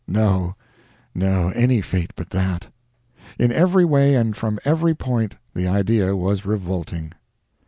No, no, any fate but that. In every way and from every point, the idea was revolting.